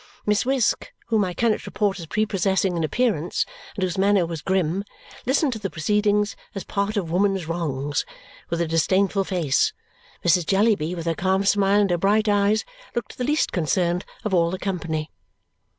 Miss Wisk, whom I cannot report as prepossessing in appearance, and whose manner was grim, listened to the proceedings, as part of woman's wrongs, with a disdainful face. Mrs. Jellyby, with her calm smile and her bright eyes, looked the least concerned of all the company.